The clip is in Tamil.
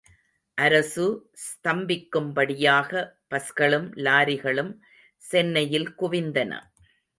அரசு ஸ்தம்பிக்கும்படியாக, பஸ்களும், லாரிகளும் சென்னையில் குவிந்தன.